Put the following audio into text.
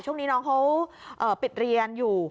ช่วงนี้น้องเขาปิดเรียนอยู่